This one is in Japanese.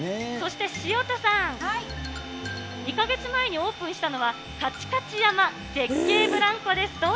そして潮田さん、２か月前にオープンしたのは、カチカチ山絶景ブランコです。